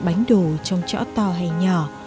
bánh đồ trong chỗ to hay nhỏ